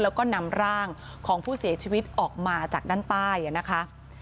แล้วก็นำร่างของผู้เสียชีวิตออกมาจากด้านใต้นะคะ